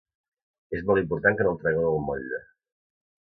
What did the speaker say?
És molt important que no el tragueu del motlle